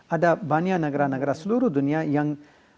ada banyak negara negara seluruh dunia yang